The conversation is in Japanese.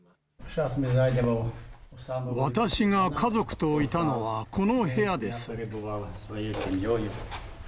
私が家族といたのはこの部屋です。